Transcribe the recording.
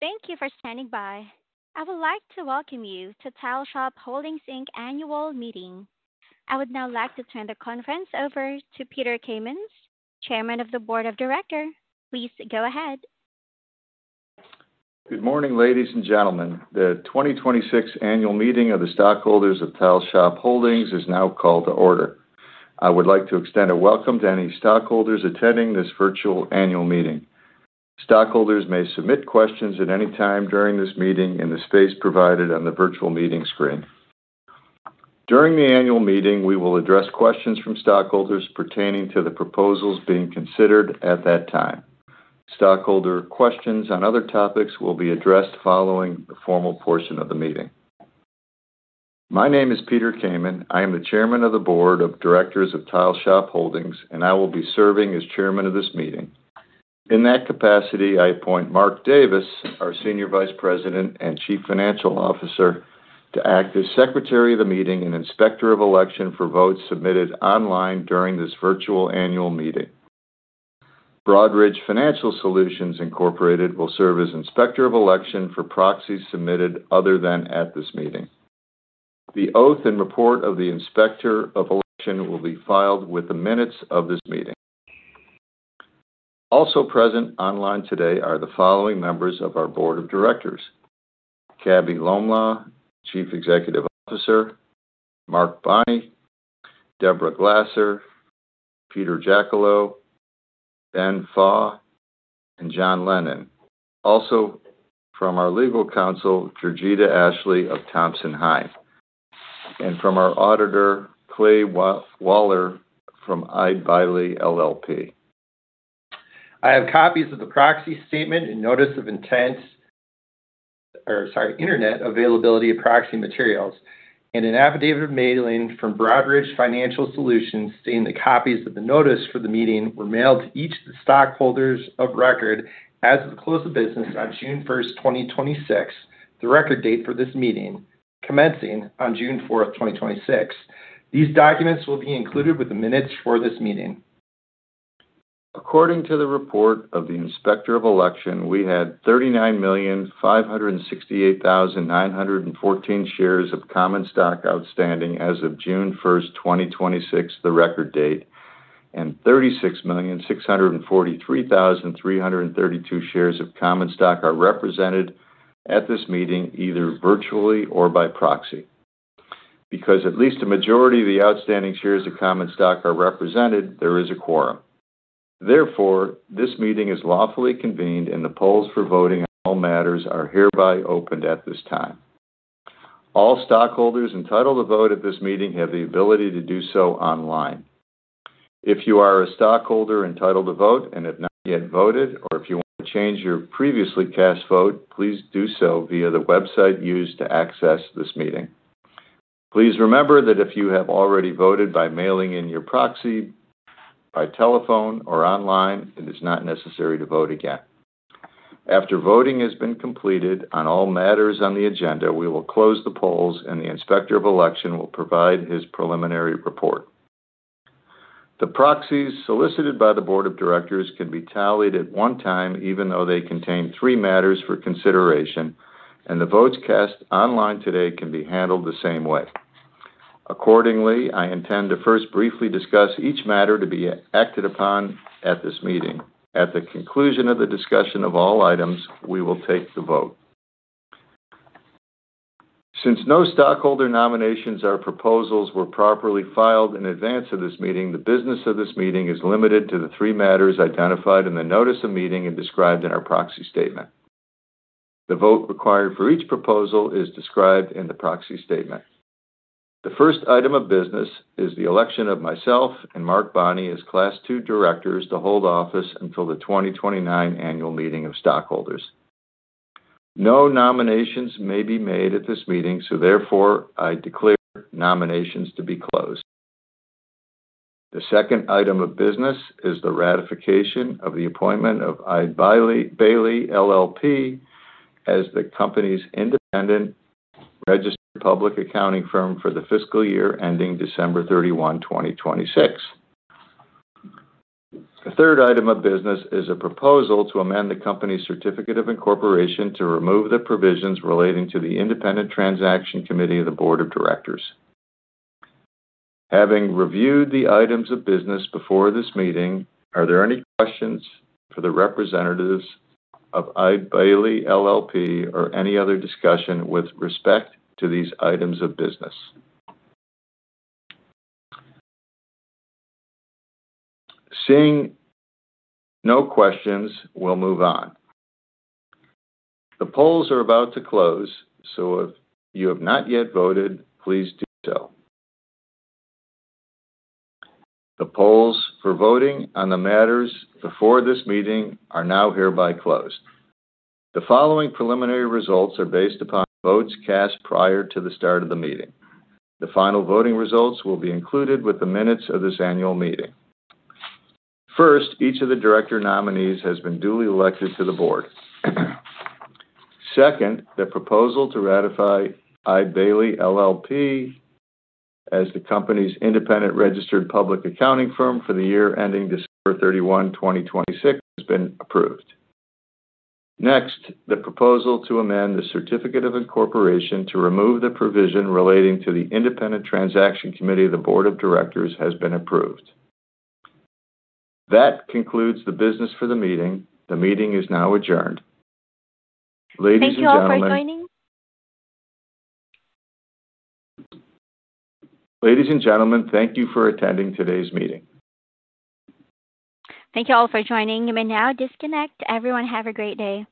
Thank you for standing by. I would like to welcome you to Tile Shop Holdings, Inc. Annual Meeting. I would now like to turn the conference over to Peter Kamin, Chairman of the Board of Directors. Please go ahead. Good morning, ladies and gentlemen. The 2026 annual meeting of the stockholders of Tile Shop Holdings is now called to order. I would like to extend a welcome to any stockholders attending this virtual annual meeting. Stockholders may submit questions at any time during this meeting in the space provided on the virtual meeting screen. During the annual meeting, we will address questions from stockholders pertaining to the proposals being considered at that time. Stockholder questions on other topics will be addressed following the formal portion of the meeting. My name is Peter Kamin. I am the Chairman of the Board of Directors of Tile Shop Holdings, and I will be serving as Chairman of this meeting. In that capacity, I appoint Mark Davis, our Senior Vice President and Chief Financial Officer, to act as Secretary of the meeting and Inspector of Election for votes submitted online during this virtual annual meeting. Broadridge Financial Solutions Incorporated will serve as Inspector of Election for proxies submitted other than at this meeting. The oath and report of the Inspector of Election will be filed with the minutes of this meeting. Also present online today are the following members of our Board of Directors: Cabell Lolmaugh, Chief Executive Officer, Mark Bonney, Deborah Glasser, Peter Jacullo, Ben Pha, and John Lennon. From our legal counsel, Jurgita Ashley of Thompson Hine. From our auditor, Clay Waller from Eide Bailly LLP. I have copies of the proxy statement and notice of internet availability of proxy materials, an affidavit of mailing from Broadridge Financial Solutions stating that copies of the notice for the meeting were mailed to each of the stockholders of record as of the close of business on June 1st, 2026, the record date for this meeting, commencing on June 4th, 2026. These documents will be included with the minutes for this meeting. According to the report of the Inspector of Election, we had 39,568,914 shares of common stock outstanding as of June 1st, 2026, the record date, and 36,643,332 shares of common stock are represented at this meeting, either virtually or by proxy. At least a majority of the outstanding shares of common stock are represented, there is a quorum. Therefore, this meeting is lawfully convened and the polls for voting on all matters are hereby opened at this time. All stockholders entitled to vote at this meeting have the ability to do so online. If you are a stockholder entitled to vote and have not yet voted, or if you want to change your previously cast vote, please do so via the website used to access this meeting. Please remember that if you have already voted by mailing in your proxy, by telephone, or online, it is not necessary to vote again. After voting has been completed on all matters on the agenda, we will close the polls and the Inspector of Election will provide his preliminary report. The proxies solicited by the board of directors can be tallied at one time, even though they contain three matters for consideration, and the votes cast online today can be handled the same way. Accordingly, I intend to first briefly discuss each matter to be acted upon at this meeting. At the conclusion of the discussion of all items, we will take the vote. Since no stockholder nominations or proposals were properly filed in advance of this meeting, the business of this meeting is limited to the three matters identified in the notice of meeting and described in our proxy statement. The vote required for each proposal is described in the proxy statement. The first item of business is the election of myself and Mark Bonney as Class II directors to hold office until the 2029 annual meeting of stockholders. No nominations may be made at this meeting, therefore, I declare nominations to be closed. The second item of business is the ratification of the appointment of Eide Bailly LLP as the company's independent registered public accounting firm for the fiscal year ending December 31, 2026. The third item of business is a proposal to amend the company's certificate of incorporation to remove the provisions relating to the independent transaction committee of the board of directors. Having reviewed the items of business before this meeting, are there any questions for the representatives of Eide Bailly LLP or any other discussion with respect to these items of business? Seeing no questions, we'll move on. The polls are about to close, if you have not yet voted, please do so. The polls for voting on the matters before this meeting are now hereby closed. The following preliminary results are based upon votes cast prior to the start of the meeting. The final voting results will be included with the minutes of this annual meeting. First, each of the director nominees has been duly elected to the board. Second, the proposal to ratify Eide Bailly LLP as the company's independent registered public accounting firm for the year ending December 31, 2026, has been approved. Next, the proposal to amend the certificate of incorporation to remove the provision relating to the independent transaction committee of the board of directors has been approved. That concludes the business for the meeting. The meeting is now adjourned. Thank you all for joining. Ladies and gentlemen, thank you for attending today's meeting. Thank you all for joining. You may now disconnect. Everyone have a great day.